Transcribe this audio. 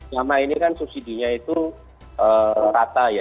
lama ini kan subsidi nya itu rata ya